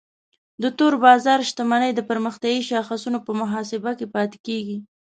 د تور بازار شتمنۍ د پرمختیایي شاخصونو په محاسبه کې پاتې کیږي.